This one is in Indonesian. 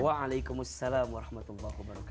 waalaikumsalam warahmatullahi wabarakatuh